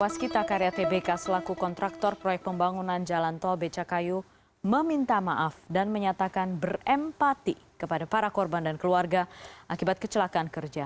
waskita karya tbk selaku kontraktor proyek pembangunan jalan tol becakayu meminta maaf dan menyatakan berempati kepada para korban dan keluarga akibat kecelakaan kerja